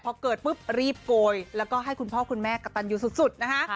พอเกิดปุ๊บรีบโกยแล้วก็ให้คุณพ่อคุณแม่กระตันอยู่สุดนะคะ